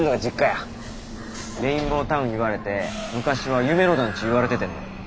レインボータウンいわれて昔は夢の団地いわれててんで。